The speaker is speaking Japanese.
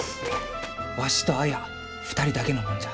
わしと綾２人だけのもんじゃ。